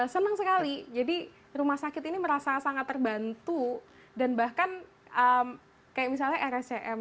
senang sekali jadi rumah sakit ini merasa sangat terbantu dan bahkan kayak misalnya rscm